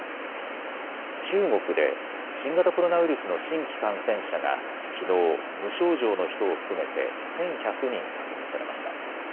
中国で新型コロナウイルスの新規感染者がきのう無症状の人を含めて１１００人確認されました。